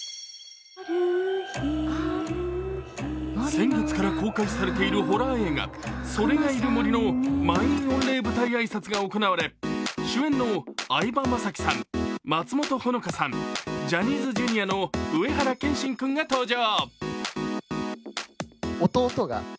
先月から公開されているホラー映画「“それ”がいる森」の満員御礼舞台挨拶が行われ主演の相葉雅紀さん、松本穂香さん、ジャニーズＪｒ．の上原剣心君が登場。